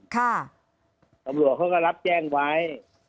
ตำรวจเขาก็รับแจ้งไว้